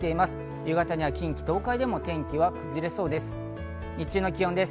夕方には近畿、東海でも天気が崩れそうです。